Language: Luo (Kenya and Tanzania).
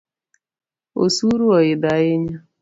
Osuru oidhi ahinya